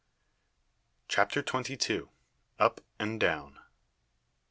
CHAPTER TWENTY TWO. UP AND DOWN.